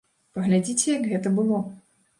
Паглядзіце, як гэта было.